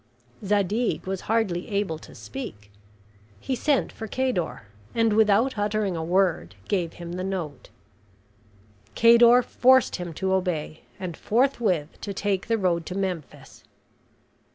Zadig was hardly able to speak. He sent for Cador, and, without uttering a word, gave him the note. Cador forced him to obey, and forthwith to take the road to Memphis.